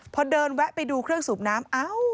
พอเดินแวะไปดูเครื่องสูบน้ำเอ้า